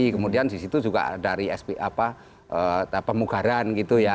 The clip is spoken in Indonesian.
kemudian disitu juga dari pemugaran gitu ya